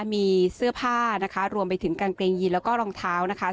มีเสื้อผ้านะคะรวมไปถึงกางเกงยีนแล้วก็รองเท้านะคะ